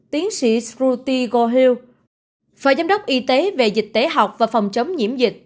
tiến sĩ shruti gohil phở giám đốc y tế về dịch tế học và phòng chống nhiễm dịch